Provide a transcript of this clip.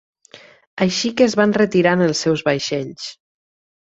Així que es van retirar en els seus vaixells.